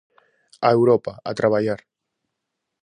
A Europa a traballar.